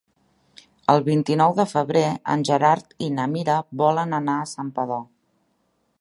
El vint-i-nou de febrer en Gerard i na Mira volen anar a Santpedor.